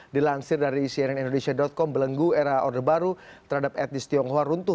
dilansir dari cnn indonesia com belenggu era orde baru terhadap etnis tionghoa runtuh